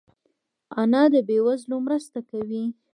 انا د بې وزلو مرسته کوي